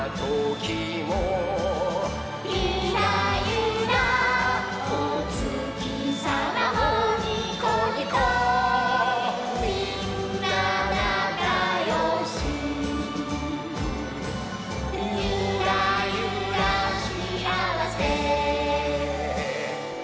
「ゆらゆらおつきさまもにこにこみんななかよし」「ゆらゆらしあわせ」